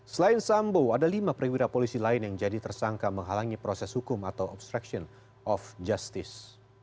selain sambo ada lima perwira polisi lain yang jadi tersangka menghalangi proses hukum atau obstruction of justice